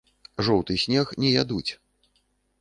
Жоўты снег не ядуць.